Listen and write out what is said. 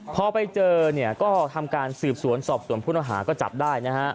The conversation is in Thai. พอไปเจอเนี่ยก็ทำการสืบสวนสอบสวนผู้ต้องหาก็จับได้นะฮะ